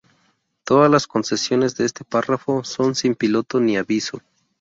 Todas las concesiones de este párrafo son sin piloto ni aviso.